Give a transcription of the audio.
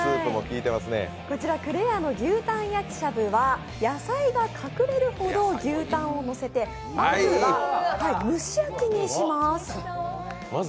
こちら、紅れやの牛タン焼きしゃぶは野菜が隠れるほど牛タンをのせてまずは蒸し焼きにします。